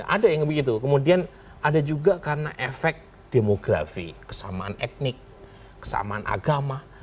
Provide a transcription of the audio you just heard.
ada yang begitu kemudian ada juga karena efek demografi kesamaan etnik kesamaan agama